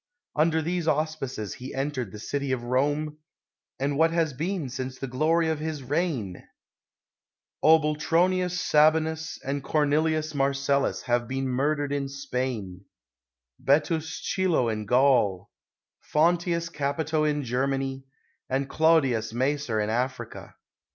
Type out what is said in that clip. Under these auspices he entered the city of Rome — and what has been since the glory of his reign f Obul tronius Sabinus and Cornelius Marcellus have been murdered in Spain, Betuus Chilo in Gaul, Fonteius Capito in Germany, and Clodius Macer in Africa.